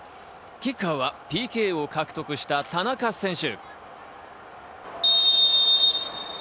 キッカーはＰＫを獲得した田中選手。